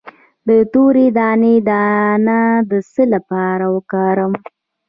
د تورې دانې دانه د څه لپاره وکاروم؟